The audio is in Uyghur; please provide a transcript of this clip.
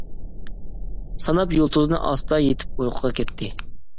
ساناپ يۇلتۇزنى، ئاستا يېتىپ ئۇيقۇغا كەتتى.